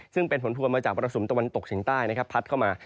ซึ่งเป็นผลพลวงมาจากวัลสุมตะวันตกเฉียงใต้พัดเข้ามา